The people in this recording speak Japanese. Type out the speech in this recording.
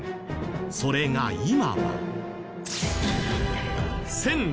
それが今は。